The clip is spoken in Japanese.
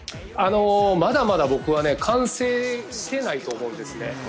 まだまだ、僕は完成していないと思うんです。